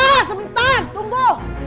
ya sebentar tunggu